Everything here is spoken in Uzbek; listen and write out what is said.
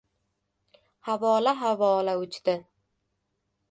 Havola-havola uchdi.